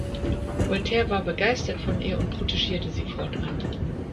Voltaire war begeistert von ihr und protegierte sie fortan.